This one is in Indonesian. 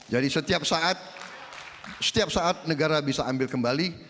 jadi setiap saat setiap saat negara bisa ambil kembali